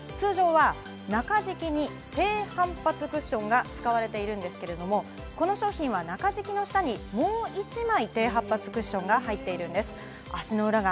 通常は中敷きに低反発クションが使われているんですけれども、この商品は中敷きの下にもう一枚、低反発クッションが入っているんです。